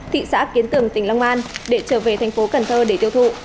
thị xã kiến tường tỉnh long an để trở về tp cn để tiêu thụ